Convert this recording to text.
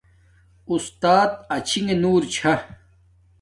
استات آچھنݣ نور چھا